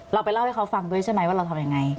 เราไปเล่าให้เขาฟังด้วยใช่ไหมว่าเราทำยังไง